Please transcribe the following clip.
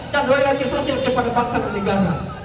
dan kekayaan sosial kepada bangsa bernegara